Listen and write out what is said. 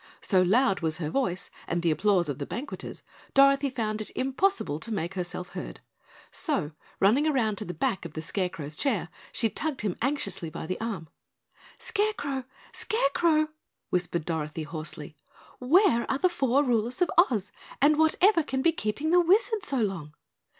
So loud was her voice and the applause of the banqueters, Dorothy found it impossible to make herself heard, so, running around to the back of the Scarecrow's chair, she tugged him anxiously by the arm. "Scarecrow! Scarecrow!" whispered Dorothy hoarsely, "Where are the Four Rulers of Oz, and whatever can be keeping the Wizard so long?"